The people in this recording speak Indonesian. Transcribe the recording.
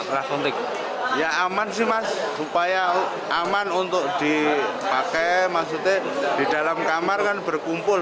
rasuntik ya aman sih mas supaya aman untuk dipakai maksudnya di dalam kamar kan berkumpul